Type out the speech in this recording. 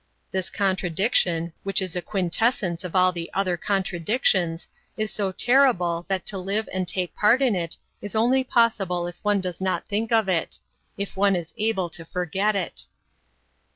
This contradiction, which is a quintessence of all the other contradictions, is so terrible that to live and to take part in it is only possible if one does not think of it if one is able to forget it.